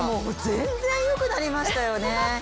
全然よくなりましたよね。